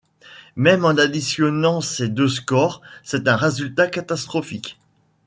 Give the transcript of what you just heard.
Même en additionnant ces deux scores, c'est un résultat catastrophique.